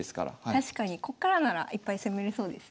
確かにこっからならいっぱい攻めれそうですね。